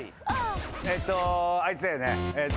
えっとあいつだよね。